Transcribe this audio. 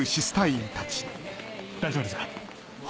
大丈夫ですか？